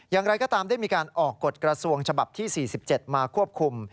อย่างไรก็ตามได้มีการออกกฎกระทรวงฉบับที่๔๗มาควบคุม